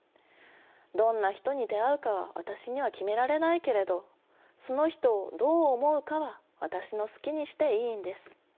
どんな人に出会うかは私には決められないけれどその人をどう思うかは私の好きにしていいんです。